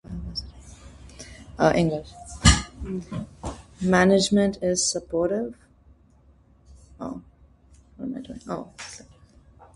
Management is supportive.